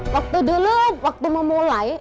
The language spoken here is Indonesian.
waktu dulu waktu memulai